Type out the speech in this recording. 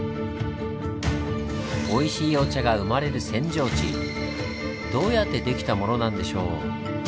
おいしいお茶が生まれる扇状地どうやってできたものなんでしょう？